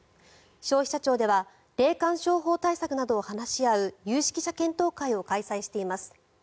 消費者庁では霊感商法対策などを話し合う有識者検討会を開催しています。